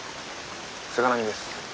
菅波です。